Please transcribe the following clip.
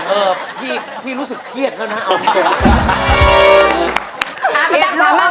เออพี่รู้สึกเทียดแล้วนะ